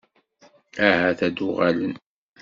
Ahat ad d-uɣalen?